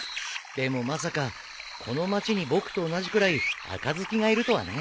でもまさかこの町に僕と同じくらい赤好きがいるとはね。